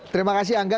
terima kasih angga